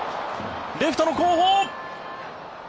レフトの後方。